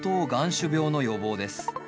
しゅ病の予防です。